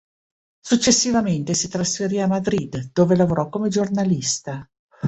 Successivamente si trasferì a Madrid, dove lavorò come giornalista.